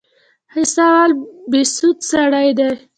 حصه اول بهسود سړه ده؟